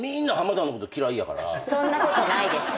そんなことないです。